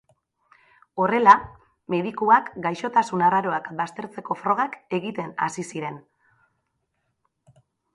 Horrela, medikuak gaixotasun arraroak baztertzeko frogak egiten hasi ziren.